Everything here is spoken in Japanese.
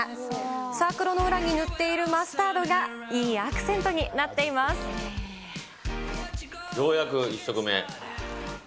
サークロの裏に塗っているマスタードがいいアクセントになっていようやく１食目。